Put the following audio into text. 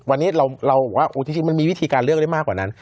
วันนี้เราบอกว่าจริงมันมีวิธีการเลือกได้มากกว่านั้น